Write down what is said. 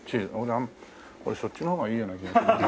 俺そっちの方がいいような気がするな。